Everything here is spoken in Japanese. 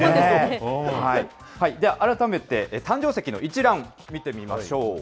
では改めて、誕生石の一覧、見てみましょう。